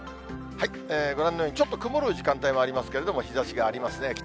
ご覧のように、ちょっと曇る時間帯もありますけれども、日ざしがありますね。